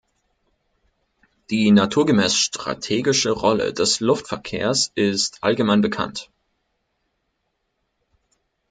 Die naturgemäß strategische Rolle des Luftverkehrs ist allgemein bekannt.